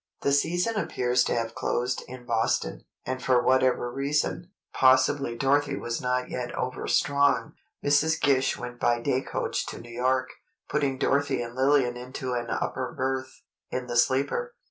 The season appears to have closed in Boston, and for whatever reason—possibly Dorothy was not yet over strong—Mrs. Gish went by day coach to New York, putting Dorothy and Lillian into an upper berth, in the sleeper.